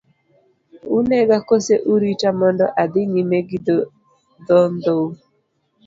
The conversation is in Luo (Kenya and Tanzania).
Unega kose urita mondo adhi nyime gi dhodhou.